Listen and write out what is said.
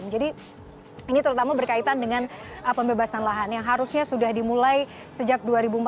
jadi ini terutama berkaitan dengan pembebasan lahan yang harusnya sudah dimulai sejak dua ribu empat belas